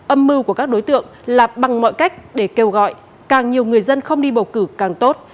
âm mưu của các đối tượng là bằng mọi cách để kêu gọi càng nhiều người dân không đi bầu cử càng tốt